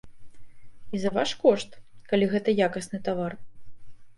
І за ваш кошт, калі гэта якасны тавар.